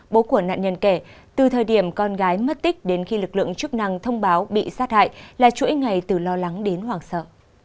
bố của nạn nhân kể từ thời điểm con gái mất tích đến khi lực lượng chức năng thông báo bị sát hại là chuỗi ngày từ lo lắng đến hoảng sợ